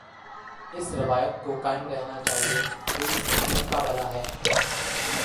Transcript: اس روایت کو قائم رہنا چاہیے کہ اسی میں سب کابھلا ہے۔